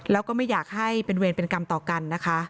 แล้วก็ไม่อยากให้เป็นเวรเป็นกรรมต่อกันนะคะ